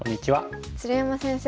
鶴山先生